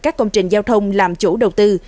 các công trình giao thông làm chủ đầu tư